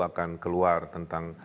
akan keluar tentang